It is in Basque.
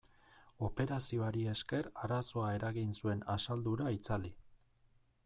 Operazioari esker arazoa eragin zuen asaldura itzali.